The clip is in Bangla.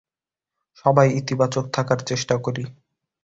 সবাই ইতিবাচক থাকার চেষ্টা করি।